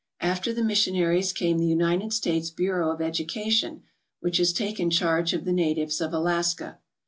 After the missionaries came the United States Bureau of Education, which has taken charge of the natives of Alaska.